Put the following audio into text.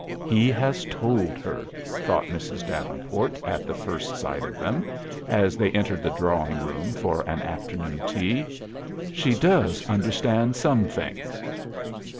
"He has told her," thought Mrs. Davenport at the first sight of them, as they entered the drawing room for an afternoon tea. "She does understand some things."